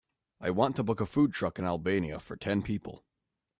I want to book a food truck in Albania for ten people.